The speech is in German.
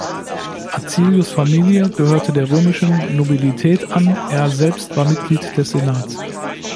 Acilius’ Familie gehörte der römischen Nobilität an, er selbst war Mitglied des Senats.